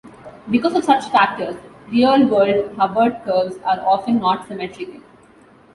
Because of such factors, real world Hubbert curves are often not symmetrical.